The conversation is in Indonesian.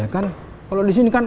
kalau di sini kan